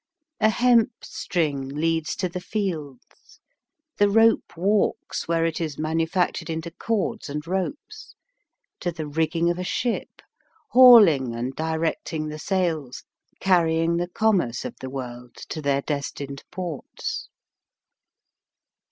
A hemp string leads to the fields, the rope walks where it is manufac tured into cordis and ropes, to the rigging of a ship, hauling and direct ing the sails, carrying the commerce of the world to their destined ports.